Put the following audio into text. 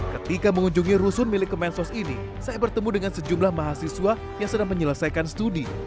ketika mengunjungi rusun milik kemensos ini saya bertemu dengan sejumlah mahasiswa yang sedang menyelesaikan studi